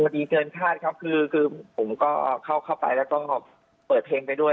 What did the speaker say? ดีเกินคาดครับคือผมก็เข้าไปแล้วก็เปิดเพลงไปด้วย